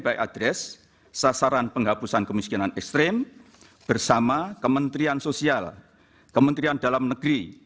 by addres sasaran penghapusan kemiskinan ekstrim bersama kementerian sosial kementerian dalam negeri